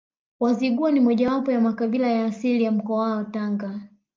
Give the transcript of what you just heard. Wazigua ni mojawapo wa makabila ya asili ya mkoa wa Tanga